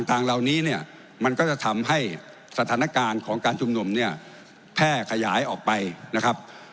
ต่างเหล่านี้เนี่ยมันก็จะทำให้สถานการณ์ของการชุมนุมเนี่ยแพร่ขยายออกไปนะครับ